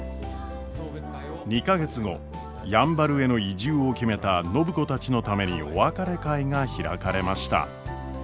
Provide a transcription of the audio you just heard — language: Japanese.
２か月後やんばるへの移住を決めた暢子たちのためにお別れ会が開かれました。